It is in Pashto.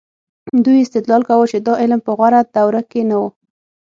دوی استدلال کاوه چې دا علم په غوره دوره کې نه و.